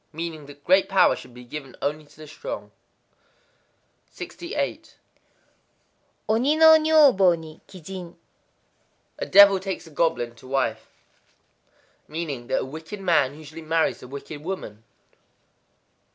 Meaning that great power should be given only to the strong. 68.—Oni no nyōbo ni kijin. A devil takes a goblin to wife. Meaning that a wicked man usually marries a wicked woman.